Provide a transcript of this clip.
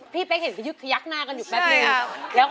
พี่เป๊กเห็นยักษ์หน้ากันอยู่แบบนี้